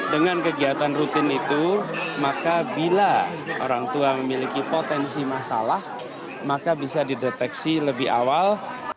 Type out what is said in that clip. dengan kegiatan rutin itu maka bila orang tua memiliki potensi masalah maka bisa dideteksi lebih awal